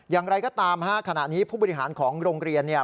อย่างไรก็ตามฮะขณะนี้ผู้บริหารของโรงเรียนเนี่ย